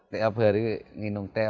tiap hari nginum teh